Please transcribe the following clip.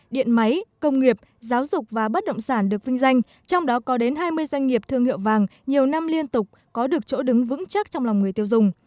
điện máy công nghiệp giáo dục và bất động sản được vinh danh trong đó có đến hai mươi doanh nghiệp thương hiệu vàng nhiều năm liên tục có được chỗ đứng vững chắc trong lòng người tiêu dùng